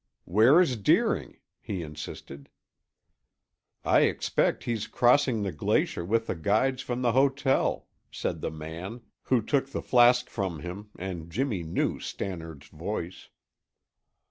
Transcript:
"Where is Deering?" he insisted. "I expect he's crossing the glacier with the guides from the hotel," said the man, who took the flask from him, and Jimmy knew Stannard's voice.